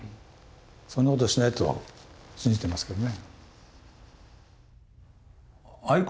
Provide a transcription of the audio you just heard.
そんなことしてないと信じてますけどね。